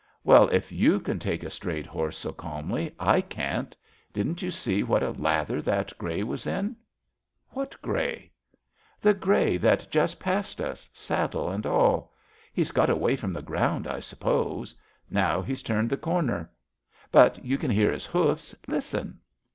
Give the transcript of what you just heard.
"*^ Well, if j/ou can take a strayed horse so calmly, I can't. Didn't you see what a lather that grey was in? "What grey? "^^ The grey that just passed us — saddle and all. He's got away from the ground, I suppose. Now he's turned the cor ner ; but you can hear his hoofs. Listen